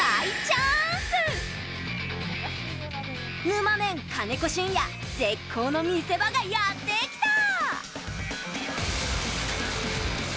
ぬまメン、金子隼也絶好の見せ場がやってきた！